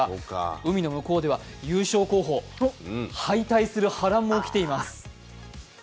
海の向こうでは優勝候補、敗退する波乱も起きています。